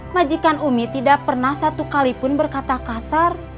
majikan umi tidak pernah satu kalipun berkata kasar